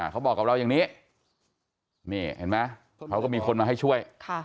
เขาบอกกับเราอย่างนี้เขาก็มีคนมาให้ช่วย